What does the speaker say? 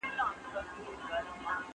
تر غوږو مي ورته تاو كړل شخ برېتونه